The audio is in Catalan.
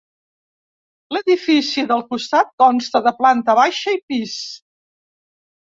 L'edifici del costat consta de planta baixa i pis.